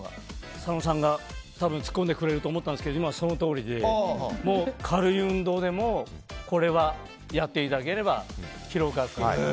佐野さんがツッコんでくれると思ったんですけどまさにそのとおりで軽い運動でもこれはやっていただければ疲労回復になります。